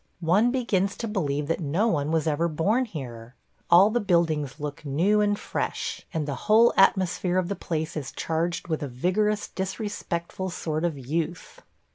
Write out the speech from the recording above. One begins to believe that no one was ever born here. All the buildings look new and fresh, and the whole atmosphere of the place is charged with a vigorous, disrespectful sort of youth.